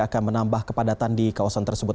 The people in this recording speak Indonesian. akan menambah kepadatan di kawasan tersebut